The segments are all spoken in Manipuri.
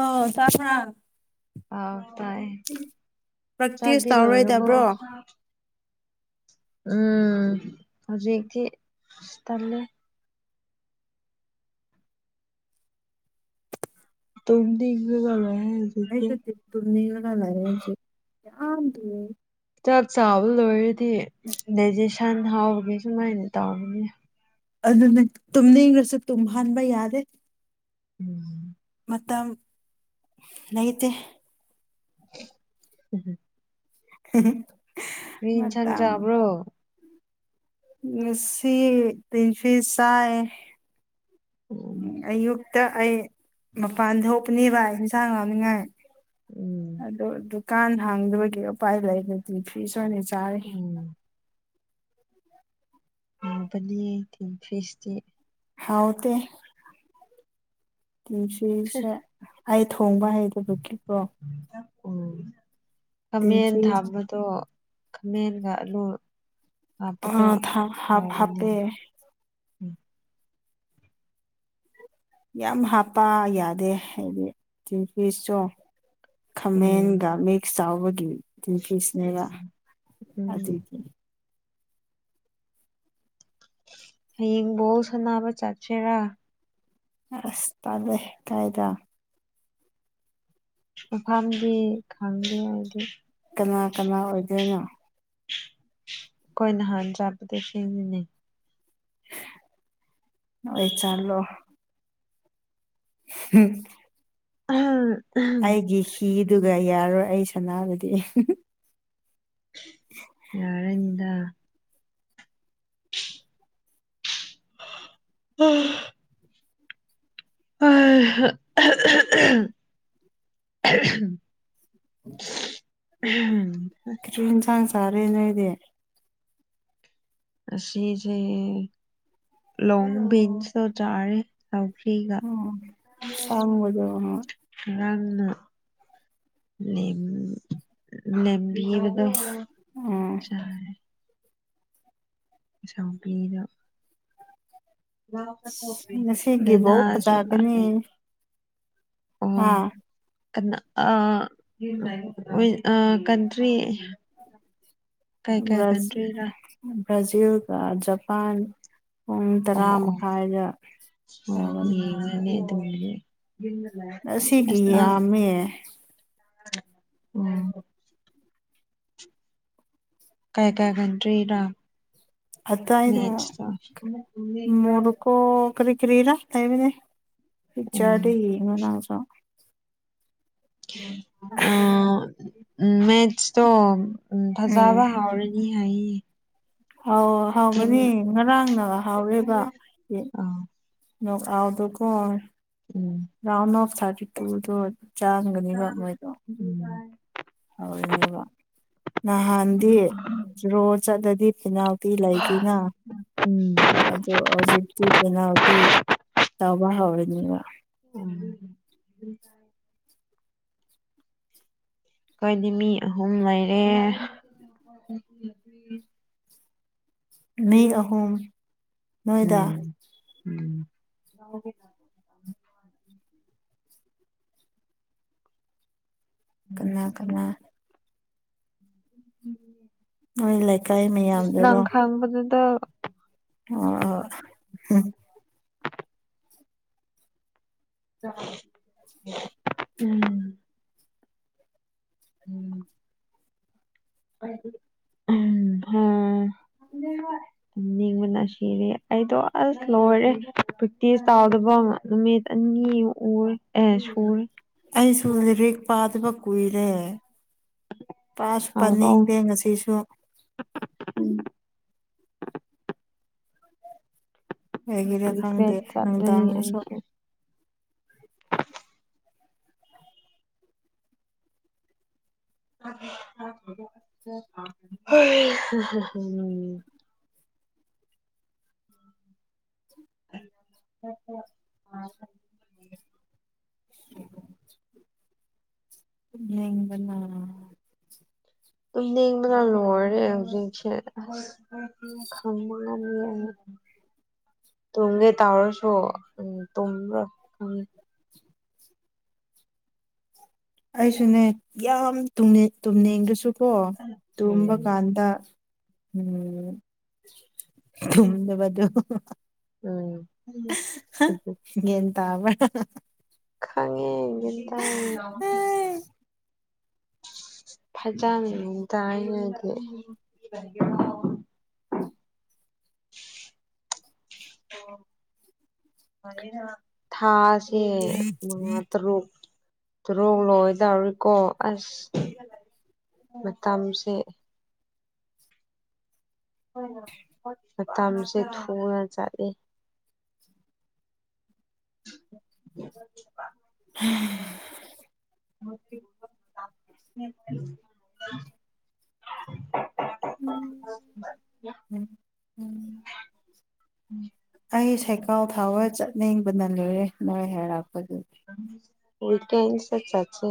ꯑꯣꯎ ꯆꯥ ꯊꯥ ꯑꯥꯎ ꯇꯥꯏꯌꯦ ꯄ꯭ꯔꯦꯛꯇꯤꯁ ꯆꯥꯛꯇꯤ ꯂꯣꯏꯔꯕꯣ ꯇꯧꯔꯣꯏꯗꯕ꯭ꯔꯣ ꯎꯝ ꯍꯧꯖꯤꯛꯗꯤ ꯇꯜꯂꯦ ꯇꯨꯝꯅꯤꯡꯕꯅ ꯂꯣꯏꯔꯦ ꯍꯧꯖꯤꯛꯇꯤ ꯑꯦꯁꯨ ꯇ ꯇꯨꯝꯅꯤꯡꯔꯒ ꯂꯩꯔꯦ ꯁꯦ ꯌꯥꯝ ꯇꯨꯝꯅꯤꯡ ꯆꯥꯛ ꯆꯥꯕ ꯂꯣꯏꯔꯗꯤ ꯗꯥꯏꯖꯦꯁꯟ ꯍꯥꯎꯕꯒꯤ ꯁꯨꯃꯥꯏꯅ ꯇꯧꯔꯅꯤ ꯑꯗꯨꯅ ꯇꯨꯝꯅꯤꯡꯔꯁꯨ ꯇꯨꯝꯍꯟꯕ ꯌꯥꯗꯦ ꯎꯝ ꯃꯈꯝ ꯂꯩꯩꯇꯦ ꯎꯝ ꯍꯨ ꯍꯨ ꯀ꯭ꯔꯤ ꯏꯟꯁꯥꯡ ꯆꯥꯕ꯭ꯔꯣ ꯉꯁꯤ ꯇꯤꯟꯐꯤꯁ ꯆꯥꯢꯌꯦ ꯎꯝ ꯑꯌꯨꯛ ꯍꯦꯛꯇ ꯑꯩ ꯃꯄꯥꯟ ꯊꯣꯛꯄꯅꯦꯕ ꯑꯩ ꯏꯟꯁꯥꯡ ꯉꯥꯡꯅꯤꯉꯥꯏ ꯎꯝ ꯑꯗꯣ ꯑꯗꯨ ꯀꯥꯟ ꯍꯥꯡꯗꯕꯒꯤ ꯎꯄꯥꯏ ꯂꯩꯇꯦ ꯑꯗꯨꯗꯤ ꯐꯤꯁ ꯑꯣꯏꯅ ꯆꯥꯔꯦ ꯎꯝ ꯍꯥꯎꯕꯅꯦ ꯊꯤꯟ ꯐꯤꯁꯇꯤ ꯍꯥꯎꯇꯦ ꯇꯤꯟ ꯐꯤꯁꯁꯦ ꯑꯩ ꯊꯣꯡ ꯊꯣꯡꯕ ꯍꯩꯇꯕꯒꯤꯀꯣ ꯎꯝ ꯈꯥꯃꯦꯟ ꯇꯤꯟꯐꯤꯁ ꯊꯥꯕꯗꯣ ꯈꯥꯃꯦꯟꯒ ꯑꯂꯨ ꯑ ꯍꯥꯞꯄꯗꯣ ꯊꯥ ꯍꯥꯞ ꯍꯥꯎꯕꯅꯦ ꯍꯥꯞꯄꯦ ꯌꯥꯝ ꯍꯥꯞꯄ ꯌꯥꯗꯦ ꯍꯥꯏꯗꯤ ꯇꯤꯟ ꯐꯤꯁꯇꯣ ꯎꯝ ꯈꯥꯃꯦꯟꯒ ꯃꯤꯛꯁ ꯇꯧꯕꯒꯤ ꯇꯤꯟ ꯐꯤꯁꯅꯦꯕ ꯎꯝ ꯑꯗꯨꯒꯤ ꯍꯌꯦꯡ ꯕꯣꯜ ꯁꯥꯟꯅꯕ ꯆꯥꯠꯁꯦꯔꯥ ꯑꯁ ꯇꯜꯂꯦ ꯀꯥꯏꯗ ꯃꯐꯝꯗꯤ ꯈꯪꯗꯦ ꯑꯩꯗꯤ ꯀꯅꯥ ꯀꯅꯥ ꯑꯣꯏꯗꯣꯏꯅꯣ ꯑꯩꯈꯣꯏ ꯅꯍꯥꯟ ꯆꯠꯄ ꯁꯤꯅꯤꯅꯦ ꯍ ꯅꯣꯏ ꯆꯠꯂꯣ ꯍꯨꯝ ꯑꯍ ꯑꯩꯒꯤ ꯍꯤꯗꯨꯒ ꯌꯥꯔꯣꯏ ꯑꯩ ꯁꯅꯥꯕꯗꯤ ꯌꯥꯔꯅꯤꯗ ꯍꯥ ꯑ ꯍ ꯑ ꯍ ꯍ ꯍ ꯑꯍꯨ ꯑꯍꯝ ꯀ꯭ꯔꯤ ꯏꯟꯁꯥꯡ ꯆꯥꯔꯦ ꯅꯣꯏꯗꯤ ꯉꯁꯤꯁꯦ ꯂꯣꯡ ꯕꯤꯟꯁꯇꯣ ꯆꯥꯔꯦ ꯁꯥꯎꯒ꯭ꯔꯤꯒ ꯎꯝ ꯑꯁꯥꯡꯕꯗꯣ ꯌꯥꯝꯅ ꯂꯦꯡ ꯂꯦꯡꯕꯤꯌꯣꯗꯣ ꯎꯝ ꯆꯥꯔꯦ ꯆꯥꯎꯕꯤꯗꯣ ꯉꯁꯤꯒꯤ ꯕꯣꯜ ꯀꯅꯥꯁꯨ ꯅꯠꯇꯦ ꯐꯖꯒꯅꯤ ꯍꯥ ꯀꯥꯅ ꯑ ꯑ ꯀꯟꯇ꯭ꯔꯤ ꯀꯩ ꯀꯩ ꯀꯟꯇ꯭ꯔꯤꯔꯥ ꯕ꯭ꯔꯥꯖꯤꯜꯒ ꯖꯄꯥꯟ ꯄꯨꯡ ꯇꯔꯥ ꯑꯣ ꯑꯣ ꯃꯈꯥꯏꯗ ꯑꯣ ꯇꯧꯒꯅꯤ [unintelligible] ꯑꯁꯤꯒꯤ ꯌꯥꯝꯃꯦ ꯎꯝ ꯀꯩ ꯀꯩ ꯀꯟꯇ꯭ꯔꯤ ꯗ ꯑꯗꯥꯏꯗꯣ ꯃꯣꯔꯣꯛꯀꯣ ꯀꯔꯤ ꯀꯔꯤꯔ ꯂꯩꯕꯅꯦ ꯄꯤꯛꯆ꯭ꯔꯗ ꯎꯝ ꯌꯦꯡꯉꯒ ꯑꯥ ꯎꯝ ꯃꯦꯊꯁꯇꯣ ꯎꯝ ꯐꯖꯥꯕ ꯍꯥꯎꯔꯅꯤ ꯍꯥꯏꯌꯦ ꯑꯥꯎ ꯍꯥꯎꯒꯅꯤ ꯉꯔꯥꯡꯅ ꯍꯥꯎꯔꯦꯕ ꯑꯥ [unintelligible] ꯀꯣ ꯎꯝ ꯔꯥꯎꯟ ꯑꯣꯐ ꯊꯥꯔꯇꯤ ꯇꯨꯗꯣ ꯆꯥꯔꯝꯒꯅꯤꯕ ꯃꯣꯏꯗꯣ ꯎꯝ ꯍꯧꯔꯤꯅꯦꯕ ꯅꯍꯥꯟꯗꯤ ꯗ꯭ꯔꯣ ꯆꯠꯂꯗꯤ ꯄꯤꯅꯥꯜ ꯇꯤ ꯂꯩꯥꯇꯅ ꯎꯝ ꯑꯗꯨ ꯍꯧꯖꯤꯛꯇꯤ ꯄꯦꯅꯥꯜꯗꯤ ꯇꯧꯕ ꯍꯧꯔꯅꯦꯕ [inaudible] ꯎꯝ ꯑꯈꯣꯏꯗꯤ ꯃꯤ ꯑꯍꯨꯝ ꯂꯩꯔꯦ ꯃꯤ ꯑꯍꯨꯝ ꯅꯣꯏꯗ ꯎꯝ ꯎꯝ [inaudible] ꯀꯅꯥ ꯀꯅꯥ ꯅꯣꯏ ꯂꯩꯀꯥꯏ ꯅꯪ ꯃꯌꯥꯝꯗꯨꯔꯣ ꯈꯥꯡꯕꯗꯨꯗ ꯍꯣ ꯍꯣꯏ ꯎꯝ ꯎꯝ ꯎꯝ ꯍ ꯇꯨꯝꯅꯤꯡꯕꯅ ꯁꯤꯔꯦ ꯑꯩꯗꯣ ꯑꯁ ꯂꯣꯏꯔꯦ ꯄ꯭ꯔꯦꯛꯇꯤꯁ ꯇꯥꯎꯗꯕ ꯅꯨꯃꯤꯠ ꯑꯅꯤ ꯎꯔ ꯑꯦ ꯁꯨꯔꯦ ꯑꯩꯁꯨ ꯂꯥꯏꯔꯤꯛ ꯄꯥꯗꯕ ꯀꯨꯏꯔꯦ ꯄꯥꯁꯨ ꯍꯧꯔꯛꯑꯣ ꯄꯥꯅꯤꯡꯗꯦ ꯉꯁꯤꯁꯨ ꯀꯩꯒꯤꯔ ꯔꯤꯒ꯭ꯔꯦꯠ ꯈꯪꯗꯦ ꯆꯠꯂꯅꯤ ꯅꯨꯡꯗꯥꯡꯗꯁꯨ ꯑꯩꯁꯨ ꯍꯩ ꯍꯍ [inaudible] [inaudible] ꯇꯨꯝꯅꯤꯡꯕꯅ ꯇꯨꯝꯅꯤꯡꯕꯅ ꯂꯣꯏꯔꯦ ꯍꯧꯖꯤꯛꯁꯦ ꯑꯁ [inaudible] ꯇꯨꯡꯒꯦ ꯇꯔꯁꯨ ꯎꯝ ꯇꯨꯝ [inaudible] ꯑꯩꯁꯨꯅꯦ ꯌꯥꯝ ꯇꯨꯝꯅꯤꯡ ꯇꯨꯝꯅꯤꯡꯗꯁꯨ ꯀꯣ ꯇꯨꯝꯕ ꯀꯥꯟꯗ ꯎꯝ ꯇꯨꯝꯗꯕꯗꯨ ꯎꯝ ꯒ꯭ꯌꯥꯟ ꯇꯥꯕ꯭ꯔꯥ ꯈꯪꯉꯦ ꯒ꯭ꯌꯥꯟ ꯇꯥꯏꯌꯦ ꯐꯖꯅ ꯑꯗꯨꯝꯇꯥꯏꯌꯦ ꯑꯩꯗꯤ [inaudible] ꯊꯥꯁ ꯇꯦ ꯃꯉꯥꯥ ꯇꯔꯨꯛ ꯇꯔꯨꯛ ꯂꯣꯏ ꯗꯧꯔꯦꯀꯣ ꯑꯁ ꯃꯇꯝꯁꯦ ꯃꯇꯝꯁꯦ ꯊꯨꯅ ꯆꯠꯂꯤ [inaudible] [unintelligible] ꯎꯝ ꯎꯝ ꯎꯝ ꯑꯩ ꯁꯥꯏꯀꯥꯟ ꯊꯥꯎꯕ ꯆꯠꯅꯤꯡꯕꯅ ꯂꯣꯏꯔꯦ ꯅꯣꯏ ꯍꯥꯏꯔꯛ ꯑꯣꯏ ꯇꯦꯁꯇ ꯆꯠꯁꯦ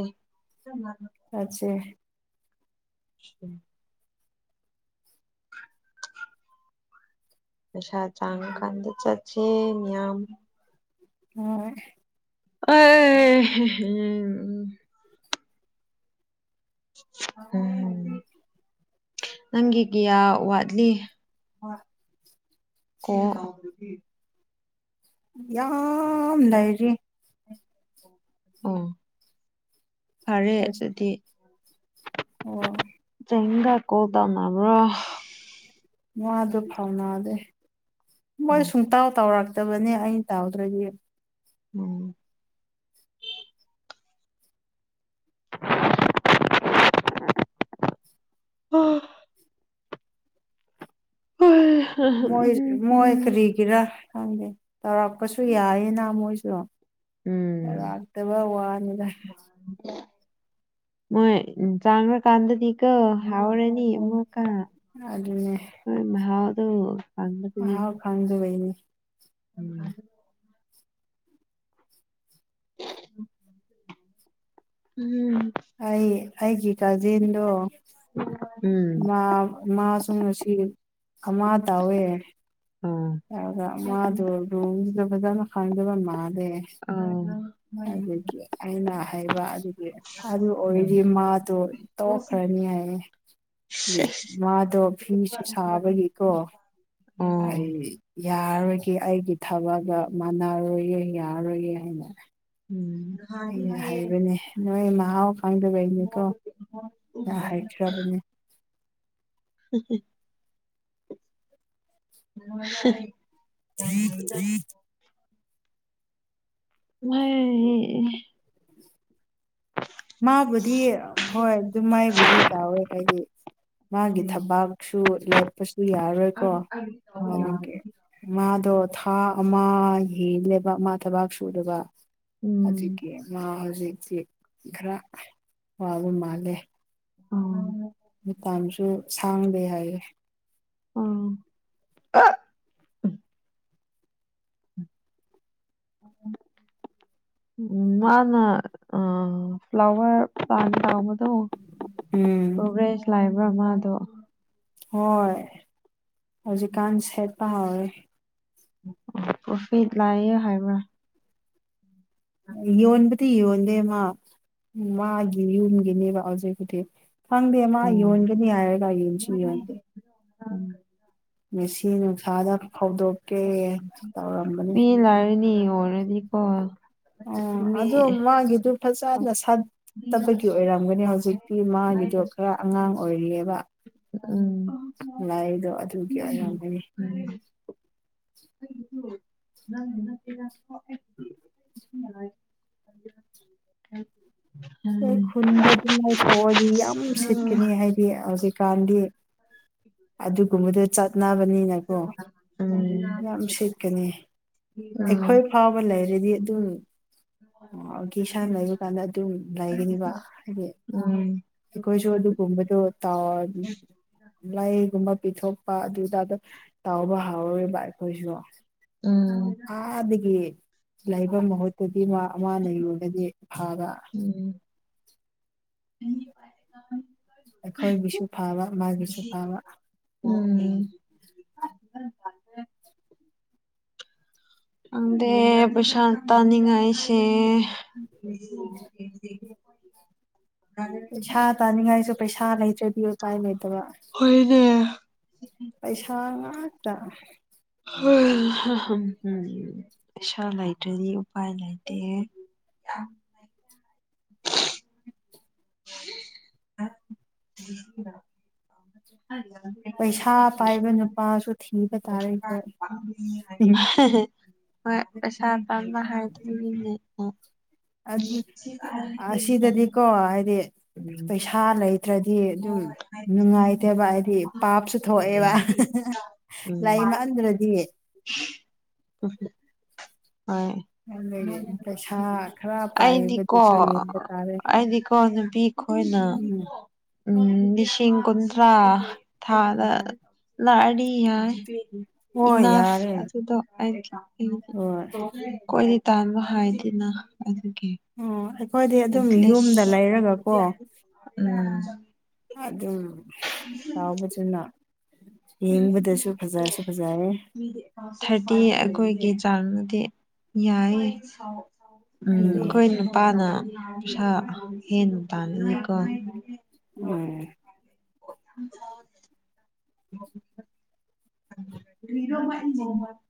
ꯆꯠꯁꯦ [inaudible] ꯄꯩꯁꯥ ꯆꯥꯡ ꯀꯥꯟꯗ ꯆꯠꯁꯦ ꯃꯤꯌꯥꯝ ꯍꯣꯢ ꯑꯩ ꯑ ꯍ ꯍꯦ ꯎꯝ ꯅꯪꯒꯤ ꯀꯌꯥ ꯋꯥꯠꯂꯤ ꯀꯣꯜ ꯌꯥꯝ ꯂꯩꯔꯤ ꯑꯝ ꯐꯔꯦ ꯑꯁ ꯑꯗꯨꯗꯤ ꯑꯣ ꯍꯤꯡꯒꯥ ꯀꯣꯜ ꯇꯧꯅꯕ꯭ꯔꯣ ꯋꯥꯗꯨ ꯐꯥꯎꯅꯗꯦ ꯃꯣꯏ ꯎꯝ ꯁꯨꯡꯇꯥꯎ ꯇꯧꯔꯛ ꯇꯕꯅꯦ ꯑꯩ ꯇꯥꯎꯗ꯭ꯔꯗꯤ ꯎꯝ ꯑꯥ ꯍꯥ ꯃꯣꯏ ꯃꯣꯏ ꯀꯔꯤꯒꯤꯔꯥ ꯈꯪꯗꯦ ꯇꯧꯔꯛꯄꯁꯨ ꯌꯥꯢꯌꯦꯅ ꯃꯣꯏꯁꯨ ꯎꯝ ꯂꯥꯛꯇꯕ ꯋꯥꯅꯤꯗ ꯃꯣꯏ ꯆꯥꯡꯂ ꯀꯥꯟꯗꯗꯤ ꯀꯣ ꯍꯥꯎꯔꯅꯤ ꯑꯃꯨꯛ ꯑꯗꯨꯅꯦ ꯇꯨ ꯃꯍꯥꯎ ꯈꯡꯗꯕꯩꯅꯦ ꯎꯝ [inaudible] ꯎꯝ ꯑꯩ ꯑꯩꯒꯤ ꯀꯥꯖꯤꯟꯗꯣ ꯃꯥ ꯃꯥꯁꯨ ꯉꯁꯤ ꯑꯃ ꯇꯧꯋꯦ ꯎꯝ ꯑꯣ ꯑꯗꯨꯒ ꯃꯥꯗꯨ ꯔꯨꯜꯗꯣ ꯐꯖꯅ ꯈꯪꯗꯕ ꯃꯥꯂꯦ ꯑꯣ ꯑꯗꯨꯗꯒꯤ ꯑꯩꯅ ꯍꯥꯏꯕ ꯑꯗꯨꯒꯤ ꯑꯗꯨ ꯎꯝ ꯑꯣꯏꯔꯗꯤ ꯃꯥꯗꯣ ꯇꯣꯈ꯭ꯔꯅꯤ ꯌꯥꯏꯌꯦ ꯗꯤ ꯃꯥꯗꯣ ꯐꯤꯁꯨ ꯁꯥꯕꯒꯤꯀꯣ ꯑꯣ ꯑꯩ ꯌꯥꯔꯣꯏꯒꯦ ꯑꯩꯒꯤ ꯊꯕꯛꯒ ꯃꯥꯟꯅꯔꯣꯏꯌꯦ ꯌꯥꯔꯣꯏꯌꯦ ꯍꯥꯏꯅ ꯑꯩꯅ ꯍꯥꯏꯕꯅꯦ ꯅꯣꯏ ꯏꯃ [unintelligible] ꯑ ꯍꯥꯏ ꯈ꯭ꯔꯕꯅꯤ ꯍ ꯍ ꯍ [inaudible] ꯃꯣꯢ ꯒꯤ ꯏ ꯃꯥꯕꯨꯗꯤ ꯍꯣꯏ ꯑꯗꯨ ꯃꯥꯏꯕꯨꯗꯤ ꯇꯥꯎꯋꯦ ꯍꯥꯏꯗꯤ ꯃꯥꯒꯤ ꯊꯕꯥꯛꯁꯨ ꯂꯦꯞꯄꯁꯨ ꯌꯥꯔꯣꯏꯀꯣ ꯑꯗꯨꯗꯒꯤ ꯃꯥꯗꯣ ꯊꯥ ꯑꯃꯒꯤꯅꯦꯕ ꯃꯥ ꯊꯕꯥꯛ ꯁꯨꯗꯕ ꯎꯝ ꯑꯗꯨꯒꯤ ꯃꯥ ꯍꯨꯖꯤꯛꯇꯤ ꯈꯔ ꯋꯥꯕ ꯃꯥꯜꯂꯦ ꯎꯝ ꯃꯇꯝꯁꯨ ꯁꯥꯡꯗꯦ ꯍꯥꯏꯌꯦ ꯎꯝ [inaudible] ꯎꯝ ꯃꯥꯅ ꯑꯥ ꯐ꯭ꯂꯋꯔ ꯄ꯭ꯂꯥꯟ ꯎꯝ ꯄ꯭ꯔꯣꯒ꯭ꯔꯦꯖ ꯂꯥꯕ꯭ꯔ ꯃꯥꯗꯣ ꯍꯣꯏ ꯍꯧꯖꯤꯛꯀꯥꯟ ꯁꯦꯠꯄ ꯍꯧꯋꯦ ꯄ꯭ꯔꯣꯐꯤꯠ ꯂꯩꯌꯦ ꯍꯥꯏꯕ꯭ꯔ ꯌꯣꯟꯕꯗꯤ ꯌꯣꯟꯗꯦ ꯃꯥ ꯃꯥꯒꯤ ꯌꯨꯝꯒꯤꯅꯦꯕ ꯍꯧꯖꯤꯛꯄꯨꯗꯤ ꯈꯪꯗꯦ ꯃꯥ ꯎꯝ ꯌꯣꯟꯒꯅꯤ ꯍꯥꯏꯔꯒ ꯌꯣꯟꯁꯨ ꯌꯣꯟꯗꯦ ꯎꯝ ꯉꯁꯤ ꯅꯨꯡꯁꯥꯗ ꯐꯧꯗꯣꯛꯀꯦ ꯇꯧꯔꯝꯕꯅꯦ ꯃꯤ ꯂꯥꯏꯔꯅꯤ ꯑꯣꯏꯔꯗꯤꯀꯣ ꯑꯣ ꯃꯤ ꯑꯗꯣ ꯃꯥꯒꯤꯗꯨ ꯎꯝ ꯐꯖꯅ ꯁꯥꯠꯇꯕꯒꯤ ꯑꯣꯏꯔꯝꯒꯅꯤ ꯍꯧꯖꯤꯛꯇꯤ ꯃꯥꯒꯤꯗꯣ ꯈꯔ ꯑꯉꯥꯡ ꯑꯣꯏꯔꯤꯌꯦꯕ ꯎꯝ ꯂꯥꯏꯗꯣ ꯑꯗꯨꯒꯤ ꯑꯣꯏꯔꯝꯒꯅꯤ [unintelligible] [unintelligible] ꯑꯩ ꯎꯝ ꯈꯨꯟꯗ ꯑꯗꯨꯝ ꯉꯥꯏꯊꯣꯛꯑꯗꯤ ꯌꯥꯝ ꯁꯤꯠꯀꯅꯤ ꯍꯥꯏꯗꯤ ꯍꯧꯖꯤꯛꯀꯥꯟꯗꯤ ꯑꯗꯨꯒꯨꯝꯕꯗꯣ ꯆꯠꯅꯕꯅꯤꯅꯀꯣ ꯌꯥꯝ ꯁꯤꯠꯀꯅꯤ ꯑꯩꯈꯣꯏ ꯐꯥꯎꯕ ꯂꯩꯔꯗꯤ ꯑꯗꯨꯅꯤ ꯑꯥ ꯒꯤꯁꯥꯟ ꯂꯩꯕ ꯀꯥꯟꯗ ꯑꯗꯨꯝ ꯂꯩꯒꯅꯤꯕ ꯍꯥꯏꯗꯤ ꯑꯩꯈꯣꯏꯁꯨ ꯑꯗꯨꯒꯨꯝꯕꯗꯣ ꯇꯥꯎꯔꯗꯤ ꯂꯩꯒꯨꯝꯕ ꯄꯤꯊꯣꯛꯄ ꯑꯗꯨꯇꯥꯗ ꯇꯥꯎꯕ ꯍꯧꯔꯣꯏꯕ ꯑꯩꯈꯣꯏꯁꯨ ꯑꯗꯒꯤ ꯂꯩꯕ ꯃꯍꯨꯠꯇꯗꯤ ꯃꯥ ꯑꯃ ꯂꯩꯔꯨꯒꯗꯤ ꯐꯕ [inaudible] ꯑꯩꯈꯣꯏꯒꯤꯁꯨ ꯐꯥꯕ ꯃꯥꯒꯤꯁꯨ ꯐꯕ ꯎꯝ ꯎꯝ ꯎꯝ ꯈꯪꯗꯦ ꯄꯩꯁꯥ ꯇꯅꯤꯉꯥꯏꯁꯦ ꯄꯩꯁꯥ ꯇꯥꯅꯤꯡꯉꯥꯏꯁꯨ ꯄꯩꯁꯥ ꯂꯩꯇ꯭ꯔꯗꯤ ꯎꯄꯥꯏ ꯂꯩꯇꯕ ꯍꯣꯏꯅꯦ ꯄꯩꯁꯥ ꯉꯥꯛꯇ ꯎ ꯄꯩꯁꯥ ꯂꯩꯇ꯭ꯔꯗꯤ ꯎꯄꯥꯏ ꯂꯩꯇꯦ ꯍꯥ [unintelligible] ꯄꯩꯁꯥ ꯄꯥꯏꯕ ꯅꯨꯄꯥꯁꯨ ꯊꯤꯕ ꯇꯥꯔꯦꯀꯣ ꯍꯣꯏ ꯄꯩꯁꯥ ꯄꯥꯝꯕ ꯍꯥꯏꯗꯤ ꯑꯗꯨ ꯑꯁꯤꯗꯗꯤꯀꯣ ꯍꯥꯏꯗꯤ ꯎꯝ ꯄꯩꯁꯥ ꯂꯩ ꯇ꯭ꯔꯗꯤ ꯑꯗꯨꯝ ꯅꯨꯡꯉꯥꯏꯇꯦꯕ ꯍꯥꯏꯗꯤ ꯄꯥꯞꯁꯨ ꯊꯣꯛꯑꯦꯕ ꯎꯝ ꯂꯩ ꯃꯥꯟꯗ꯭ꯔꯗꯤ [inaudible] ꯍꯣꯏ ꯑꯗꯨꯒꯤ ꯄꯩꯁꯥ ꯈꯔ ꯑꯩꯗꯤꯀꯣ ꯄꯥꯏꯕꯗꯨꯁꯨ ꯌꯦꯡꯕ ꯇꯥꯔꯦ ꯑꯗꯤꯀꯣ ꯑꯩꯈꯣꯏꯅ ꯎꯝ ꯎꯝ ꯂꯤꯁꯤꯡ ꯀꯨꯟꯊ꯭ꯔꯥ ꯊꯥꯗ ꯂꯥꯛꯑꯗꯤ ꯌꯥꯏ ꯍꯣꯏ ꯏꯅꯥꯐ ꯌꯥꯔꯦ ꯑꯗꯨꯗꯣ ꯍꯣꯏ [unintelligible] ꯀꯣꯏ ꯇꯥꯟꯕ ꯍꯥꯏꯗꯤꯅ [unintelligible] ꯎꯝ ꯑꯩꯈꯣꯏꯗꯤ ꯑꯗꯨꯝ ꯌꯨꯝꯗ ꯂꯩꯔꯒꯀꯣ ꯎꯝ [unintelligible] ꯗꯨꯝ ꯇꯥꯎꯕꯁꯤꯅ ꯌꯦꯡꯕꯗꯁꯨ ꯐꯖꯁꯨ ꯐꯖꯌꯦ ꯊꯥꯔꯇꯤ ꯑꯩꯈꯣꯏꯒꯤ ꯆꯥꯡꯅꯗꯤ ꯌꯥꯏ ꯎꯝ ꯑꯩꯈꯣꯏ ꯅꯨꯄꯥꯅ ꯄꯩꯁꯥ ꯍꯦꯟꯅ ꯇꯥꯥꯟꯅꯤꯀꯣ ꯎꯝ [unintelligible] ꯀꯔꯤꯔꯣ ꯃꯥꯢ [unintelligible]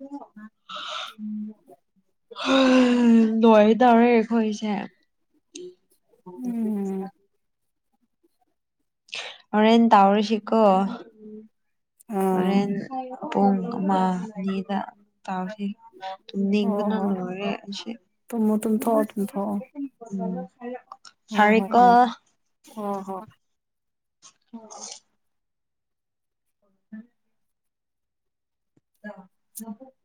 ꯍꯦ ꯂꯣꯏꯗꯧꯔꯦ ꯑꯈꯣꯢꯒꯤꯁꯦ ꯎꯝ [unintelligible] ꯍꯣꯔꯦꯟ ꯇꯥꯥꯎꯔꯤꯁꯤꯀꯣ ꯑꯥ ꯍꯣꯔꯦꯟ ꯄꯨꯡ ꯑꯃ ꯑꯅꯤꯗ ꯇꯥꯎꯔꯁꯤ ꯕ ꯍꯣꯏ ꯇꯨꯝꯅꯤꯡꯕꯅ ꯍꯣꯏ ꯂꯣꯢꯔꯦ ꯁꯦ ꯇꯨꯝꯃꯨ ꯇꯨꯝꯊꯣꯛꯑꯣ ꯇꯨꯝꯊꯣꯛꯑꯣ ꯎꯝ ꯐꯔꯦꯀꯣ ꯍꯣ ꯍꯣꯢ [unintelligible] ꯗ ꯅꯕꯨꯛ